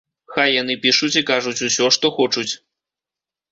Хай яны пішуць і кажуць усё, што хочуць.